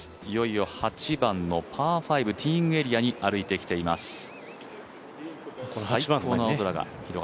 いよいよ８番のパー５、ティーイングエリアに歩いてきています。